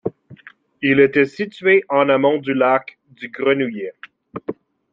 Il était situé en amont du lac du Grenouillet.